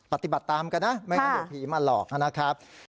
ปฏิบัติตามกันนะไม่งั้นเดี๋ยวผีมาหลอกนะครับ